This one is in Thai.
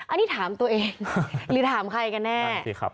อันนี้ถามตัวเองหรือถามใครกันแน่